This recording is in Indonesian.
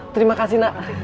terima kasih nak